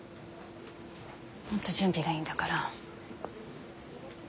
本当準備がいいんだから。